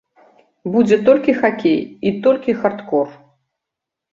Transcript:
Будзе толькі хакей, і толькі хардкор!